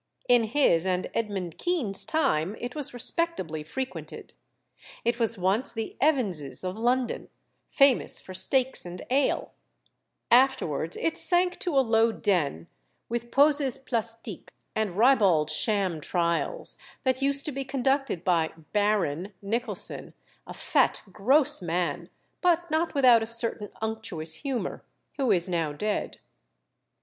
In his and Edmund Kean's time it was respectably frequented. It was once the "Evans's" of London, famous for steaks and ale; afterwards it sank to a low den with poses plastiques and ribald sham trials, that used to be conducted by "Baron" Nicholson, a fat gross man, but not without a certain unctuous humour, who is now dead.